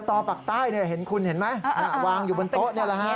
สตอปักใต้นี่เห็นคุณเห็นไหมวางอยู่บนโต๊ะ